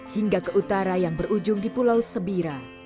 hingga ke utara yang berujung di pulau sebira